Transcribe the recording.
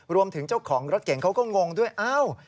รวมถึงเจ้าของรถเก่งเขาก็งงด้วยอ้าว